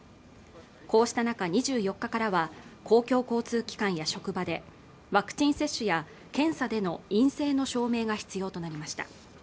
こうした中２４日からは公共交通機関や職場でワクチン接種や検査での陰性の証明が必要となりました